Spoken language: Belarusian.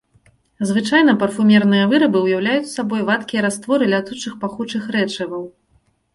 Звычайна парфумерныя вырабы ўяўляюць сабой вадкія растворы лятучых пахучых рэчываў.